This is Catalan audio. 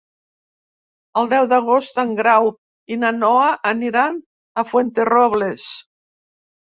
El deu d'agost en Grau i na Noa aniran a Fuenterrobles.